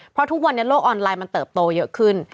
เพราะทุกวันนี้โลกออนไลน์มันเติบโตเยอะขึ้น